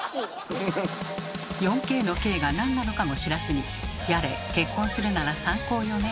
４Ｋの「Ｋ」がなんなのかも知らずにやれ「結婚するなら３高よね」